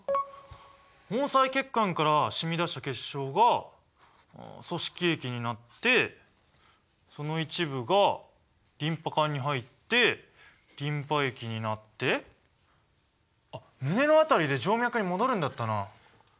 毛細血管からしみ出した血しょうが組織液になってその一部がリンパ管に入ってリンパ液になって胸の辺りで静脈に戻るんだったな。